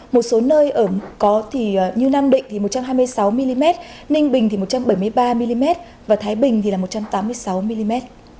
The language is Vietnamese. một số nơi ở thì như nam định thì một trăm hai mươi sáu mm ninh bình thì một trăm bảy mươi ba mm và thái bình thì là một trăm tám mươi sáu mm